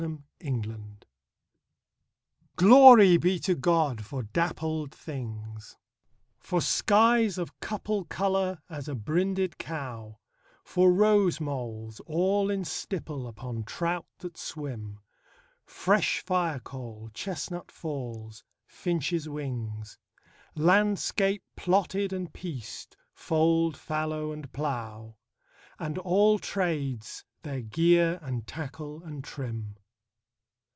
13 Pied Beauty GLORY be to God for dappled things For skies of couple colour as a brinded cow; For rose moles all in stipple upon trout that swim: Fresh firecoal chestnut falls; finches' wings; Landscape plotted and pieced fold, fallow, and plough; And àll tràdes, their gear and tackle and trim.